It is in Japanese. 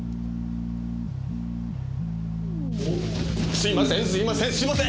すいませんすいませんすいません！